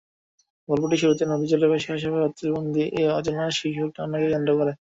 গল্পটির শুরু নদীজলে ভেসে আসা পাতিলবন্দী অজানা শিশুর কান্নাকে কেন্দ্র করে।